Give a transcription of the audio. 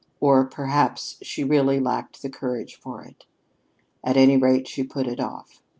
Or perhaps she really lacked the courage for it. At any rate, she put it off.